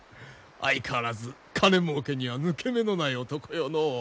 相変わらず金もうけには抜け目のない男よのう。